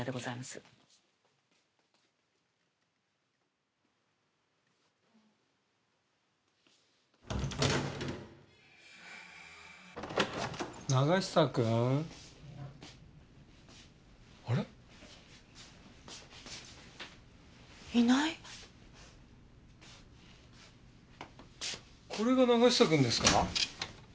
これが永久くんですか？